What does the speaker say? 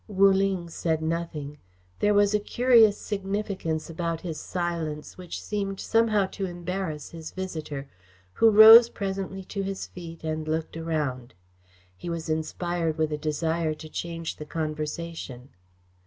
Wu Ling said nothing. There was a curious significance about his silence which seemed somehow to embarrass his visitor, who rose presently to his feet and looked around. He was inspired with a desire to change the conversation.